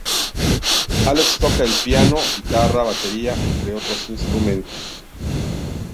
Alex toca el piano, guitarra, batería, entre otros instrumentos.